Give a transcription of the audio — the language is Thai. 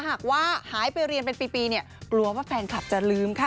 หากว่าหายไปเรียนเป็นปีเนี่ยกลัวว่าแฟนคลับจะลืมค่ะ